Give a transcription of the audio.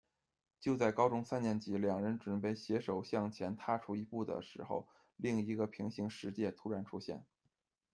就在高中三年级，两人准备携手向前踏出一步的时候，另一个平行世界突然出现。